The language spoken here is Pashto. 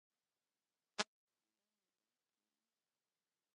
ایا سینه مو درد کوي؟